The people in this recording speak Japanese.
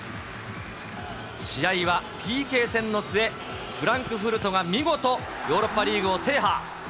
試合はＰＫ戦の末、フランクフルトが見事、ヨーロッパリーグを制覇。